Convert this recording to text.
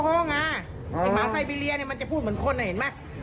ไอ้หมาไฟไปเรียกมันจะพูดเหมือนคนหินไหม